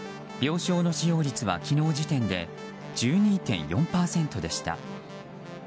病床の使用率は昨日時点で１２．４％でした。